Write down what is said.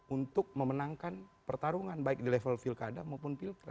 untuk memenangkan pertarungan baik di level vilkada maupun vilkres